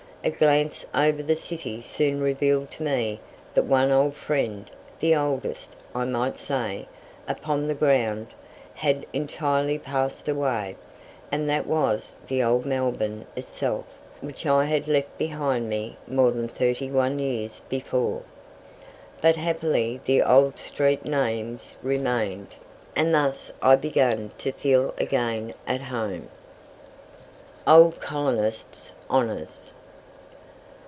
A glance over the city soon revealed to me that one old friend the oldest, I might say, upon the ground had entirely passed away, and that was the old Melbourne itself which I had left behind me more than thirty one years before. But happily the old street names remained, and thus I began to feel again at home. OLD COLONIST HONOURS.